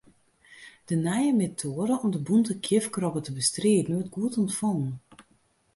De nije metoade om de bûnte kjifkrobbe te bestriden, wurdt goed ûntfongen.